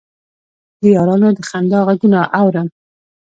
د یارانو د خندا غـږونه اورم